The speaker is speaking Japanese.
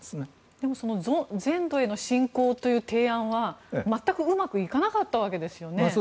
でも全土への侵攻という提案は全くうまくいかなかったわけですよね。